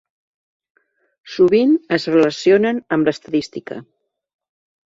Sovint es relacionen amb l'estadística.